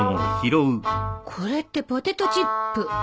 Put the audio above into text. これってポテトチップ。